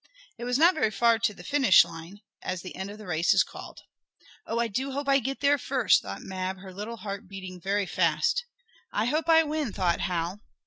It was not very far to the "finish line," as the end of the race is called. "Oh, I do hope I get there first!" thought Mab, her little heart beating very fast. "I hope I win!" thought Hal.